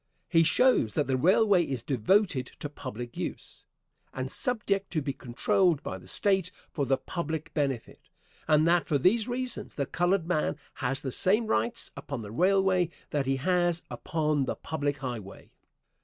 He shows that the railway is devoted to public use, and subject to be controlled by the State for the public benefit, and that for these reasons the colored man has the same rights upon the railway that he has upon the public highway.